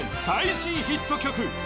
最新ヒット曲